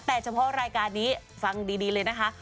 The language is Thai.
แต่เฉพาะรายการนี้ฟังดีเลยนะคะ